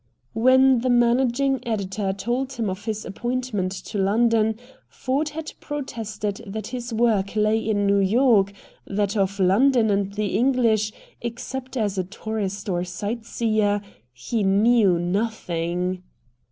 When the managing editor told him of his appointment to London, Ford had protested that his work lay in New York; that of London and the English, except as a tourist and sight seer, he knew nothing.